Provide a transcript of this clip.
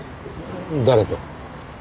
誰と？